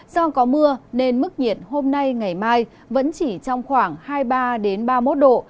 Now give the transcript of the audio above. do có mưa nên mức nhiệt hôm nay ngày mai vẫn chỉ trong khoảng hai mươi ba ba mươi một độ